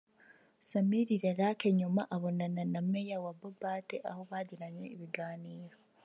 Samir Larak nyuma abonana na Meya wa Boppat aho bagiranye ibiganiro